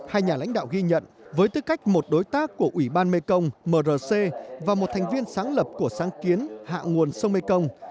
hai nhà lãnh đạo ghi nhận với tư cách một đối tác của ủy ban mekong mrc và một thành viên sáng lập của sáng kiến hạ nguồn sông mekong